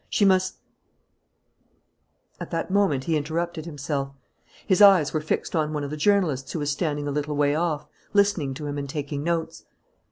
She must " At that moment he interrupted himself. His eyes were fixed on one of the journalists who was standing a little way off listening to him and taking notes.